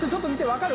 分かる？